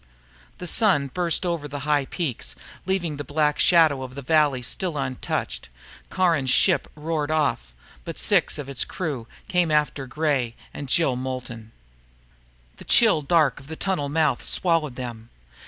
The sun burst up over the high peaks, leaving the black shadow of the valley still untouched. Caron's ship roared off. But six of its crew came after Gray and Jill Moulton. The chill dark of the tunnel mouth swallowed them.